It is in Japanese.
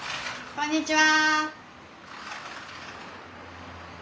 こんにちは。